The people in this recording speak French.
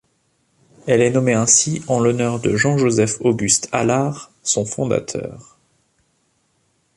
Elle est nommée ainsi en l'honneur de Jean-Joseph-Auguste Allard, son fondateur.